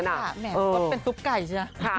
แบบว่าเป็นตุ๊กไก่ใช่มั้ย